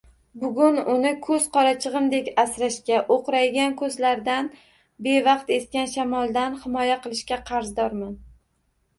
Bugun uni koʻz qorachigʻimdek asrashga, oʻqraygan koʻzlardan, bevaqt esgan shamollardan himoya qilishga qarzdorman…